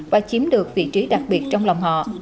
và chiếm được vị trí đặc biệt trong lòng họ